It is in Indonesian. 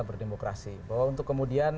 berdemokrasi bahwa untuk kemudian